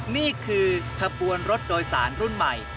นี่คือขบวนรถโดยสารรุ่นใหม่